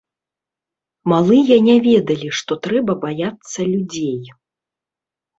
Малыя не ведалі, што трэба баяцца людзей.